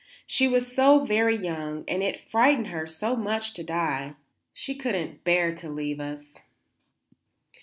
She was so very young and it frightened her so much to die; she could not bear to leave us."